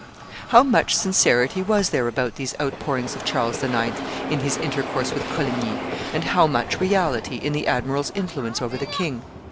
How much sincerity was there about these outpourings of Charles IX. in his intercourse with Coligny, and how much reality in the admiral's influence over the king?